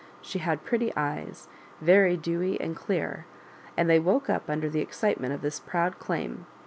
She had pretty eyes, very dewy and clear, and they woke up under the excitement of this proud claim.